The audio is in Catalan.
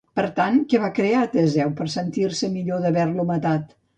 Per tant, què va crear Teseu per sentir-se millor d'haver-lo matat?